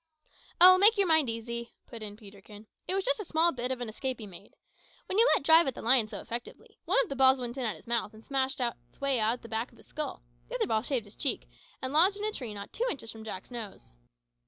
"Oh, make your mind easy," put in Peterkin; "it was just a small bit of an escape he made. When you let drive at the lion so effectively, one of the balls went in at his mouth and smashed its way out at the back of his skull. The other ball shaved his cheek, and lodged in a tree not two inches from Jack's nose."